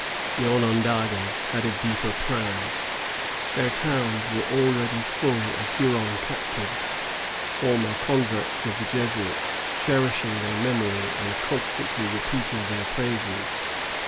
The Onondagas had a deeper plan. Their towns were already full of Huron captives, former converts of the Jesuits, cherishing their memory and con stantly repeating their pndses.